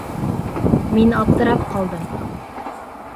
Мин аптырап ҡалдым.